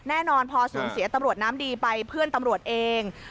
แน่นอนพอสูญเสียตำรวจน้ำดีไปเพื่อนตำรวจเอง